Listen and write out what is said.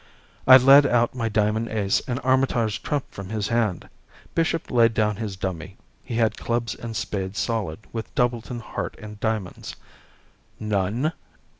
I led out my diamond ace and Armitage trumped from his hand. Bishop laid down his dummy. He had clubs and spades solid, with doubleton heart and diamonds. "None?"